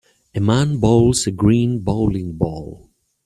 A man bowls a green bowling ball.